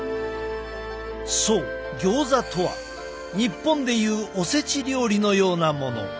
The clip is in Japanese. そうギョーザとは日本でいうおせち料理のようなもの。